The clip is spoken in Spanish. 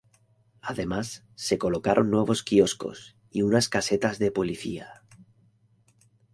Además, se colocaron nuevos quioscos, y unas casetas de policía.